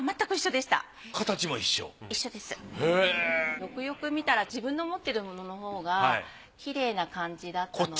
よくよく見たら自分の持ってるもののほうがきれいな感じだったので。